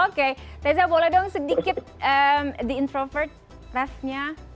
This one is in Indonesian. oke teza boleh dong sedikit the introvert ref nya